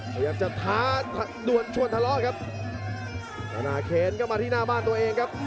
พยายามจะท้าด่วนชวนทะเลาะครับนานาเคนเข้ามาที่หน้าบ้านตัวเองครับ